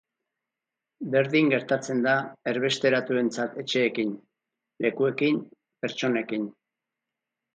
Berdin gertatzen da erbesteratuentzat etxeekin, lekuekin, pertsonekin.